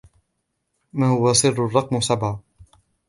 ما هُوَ سِرُّ الرَقم سَبْعَة؟